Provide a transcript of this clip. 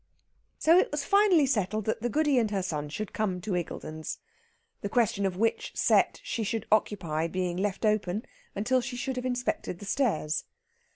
So it was finally settled that the Goody and her son should come to Iggulden's. The question of which set she should occupy being left open until she should have inspected the stairs.